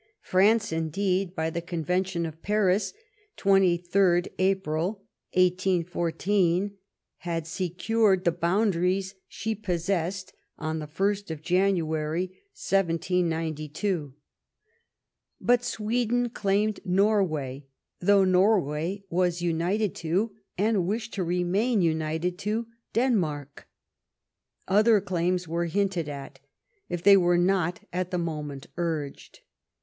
France, indeed, by the convention of Paris (23rd April, 1814) had secured the boundaries she pos sessed on the 1st January. 1792. But Sweden claimed Norway, though Norway was united to, and wished to remain united to, Denmark. Other claims were hinted at, if they were not at the moment urged.